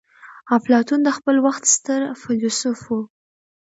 اپلاتون د خپل وخت ستر فيلسوف وو.